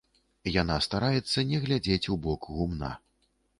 Яна стараецца не глядзець у бок гумна.